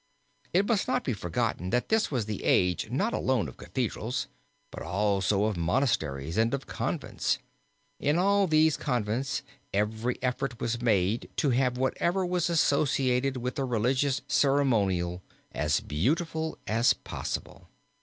It must not be forgotten that this was the age not alone of Cathedrals but also of monasteries and of convents. In all of these convents every effort was made to have whatever was associated with the religious ceremonial as beautiful as possible.